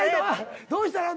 「どうしたの？」